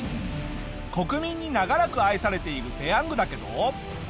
国民に長らく愛されているペヤングだけど。